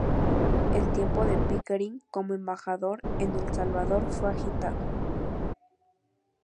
El tiempo de Pickering como embajador en El Salvador fue agitado.